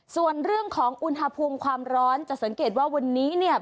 ส่วนเรื่องของอุณหภูมิความร้อนจะสังเกตว่าวันนี้เนี่ย